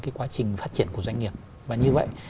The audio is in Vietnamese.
cái quá trình phát triển của doanh nghiệp và như vậy